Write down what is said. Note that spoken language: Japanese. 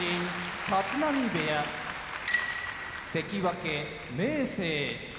立浪部屋関脇・明生